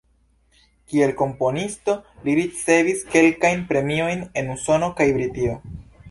Kiel komponisto, li ricevis kelkajn premiojn en Usono kaj Britio.